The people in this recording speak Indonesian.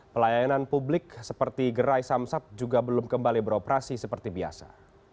pelayanan publik seperti gerai samsat juga belum kembali beroperasi seperti biasa